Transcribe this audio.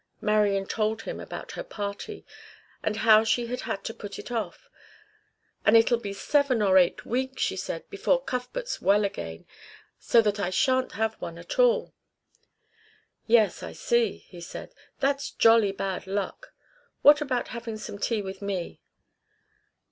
Marian told him about her party, and how she had had to put it off. "And it'll be seven or eight weeks," she said, "before Cuthbert's well again, so that I shan't have one at all." "Yes, I see," he said. "That's jolly bad luck. What about having some tea with me?"